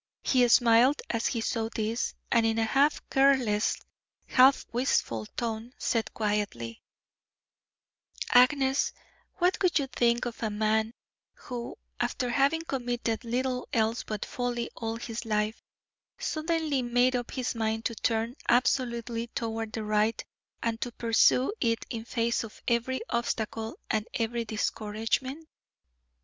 He smiled as he saw this, and in a half careless, half wistful tone, said quietly: "Agnes, what would you think of a man who, after having committed little else but folly all his life, suddenly made up his mind to turn absolutely toward the right and to pursue it in face of every obstacle and every discouragement?"